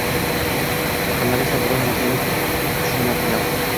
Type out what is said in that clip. Yaqinlari esa biron narsani tushunmabdilar